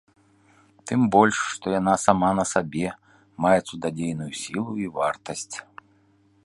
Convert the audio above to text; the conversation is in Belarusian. Тым больш што яна сама на сабе мае цудадзейную сілу і вартасць.